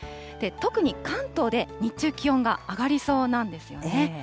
特に関東で日中、気温が上がりそうなんですよね。